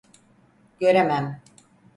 Göremem…